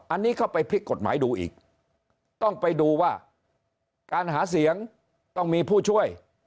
อันนี้ก็ไปพลิกกฎหมายดูอีกต้องไปดูว่าการหาเสียงต้องมีผู้ช่วย